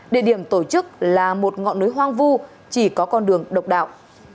địa điểm tổ chức là một ngọn núi hoang vu chỉ có con đường độc đạo